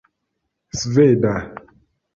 sveda